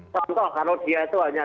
contoh kalau dia itu hanya